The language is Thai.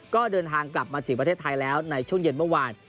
ก็เดินทางกลับมาถึงประเทศไทยแล้วในช่วงเย็นเมื่อวาน